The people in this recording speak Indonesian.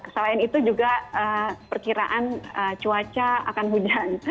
selain itu juga perkiraan cuaca akan hujan